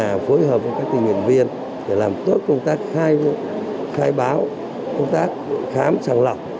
đã phối hợp với các tiền viện viên để làm tốt công tác khai báo công tác khám sàng lọc